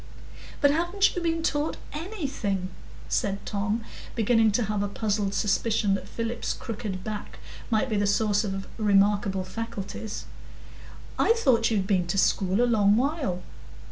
"But haven't you been taught _any_thing?" said Tom, beginning to have a puzzled suspicion that Philip's crooked back might be the source of remarkable faculties. "I thought you'd been to school a long while."